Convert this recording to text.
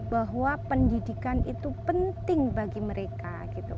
bahwa pendidikan itu penting bagi mereka